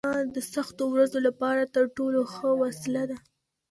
هیله د سختو ورځو لپاره تر ټولو ښه وسله ده.